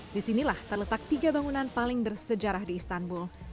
di sinilah terletak tiga bangunan paling bersejarah di istanbul